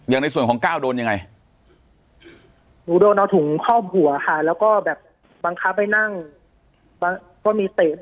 ปากกับภาคภูมิ